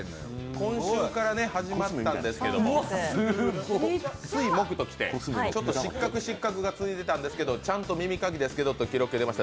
今週から始まったんですけれども水・木ときて、失格、失格が続いてたんですけど、ちゃんと「耳かきですけど」が出ました。